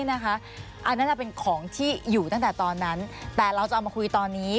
อันนั้นจะเป็นของที่อยู่ตั้งแต่ตอนนั้นแต่เราจะเอามาคุยตอนนี้